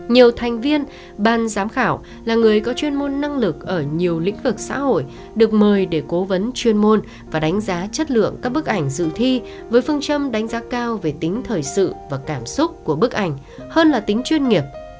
nhiều thành viên ban giám khảo là người có chuyên môn năng lực ở nhiều lĩnh vực xã hội được mời để cố vấn chuyên môn và đánh giá chất lượng các bức ảnh dự thi với phương châm đánh giá cao về tính thời sự và cảm xúc của bức ảnh hơn là tính chuyên nghiệp